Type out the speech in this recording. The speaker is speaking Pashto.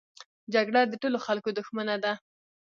جګړه د ټولو خلکو دښمنه ده